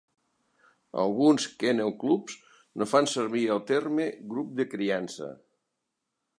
Alguns kennel clubs no fan servir el terme "grup de criança".